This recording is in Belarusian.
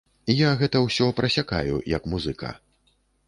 Я гэта ўсё прасякаю, як музыка.